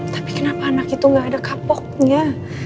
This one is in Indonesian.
tapi kenapa anak itu gak ada kapoknya